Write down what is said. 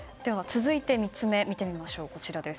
続いて、３つ目見てみましょう。